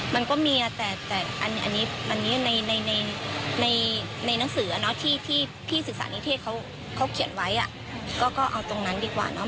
มันก็มีแต่อันนี้ในหนังสือที่ศึกษานิเทศเขาเขียนไว้ก็เอาตรงนั้นดีกว่าเนาะ